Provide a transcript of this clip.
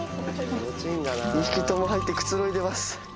２匹とも入ってくつろいでます。